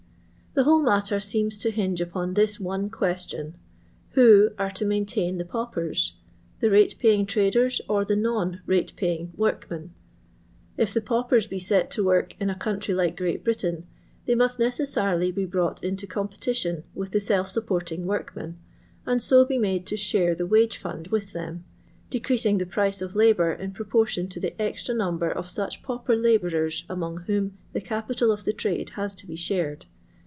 The whole matter seems to hinge upon this one question — Who are to maintain the paupers ? The rate paying traders or the non ratepaying workmen 1 If the paupers be set to work in a country like Great Britain, they must necessarily be brought into competition with the self supporting workmen, and so be made to share the ^vage fund with them, decreasing the price of labour in proportion to the extra number of such pauper labourers among whom the capital of the trade has to be shared.